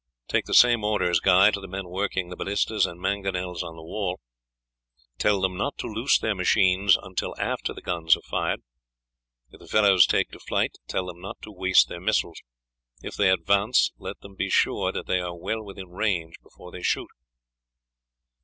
Take the same orders, Guy, to the men working the ballistas and mangonels on the wall. Tell them not to loose their machines until after the guns are fired. If the fellows take to flight, tell them not to waste their missiles; if they advance, let them be sure that they are well within range before they shoot."